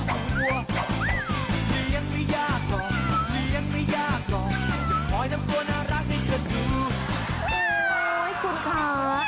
โอ๊ยคุณค่ะ